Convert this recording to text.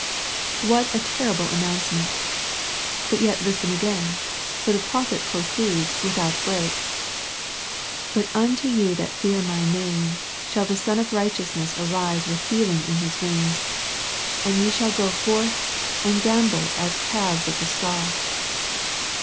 What a terrible announcement. But yet listen again, for the prophet proceeds with out break, " But unto you that fear My name shall the sun of righteousness arise with heal ing in His wings; and ye shall go forth, and 146 A First Century Message gambol as calves of the stall."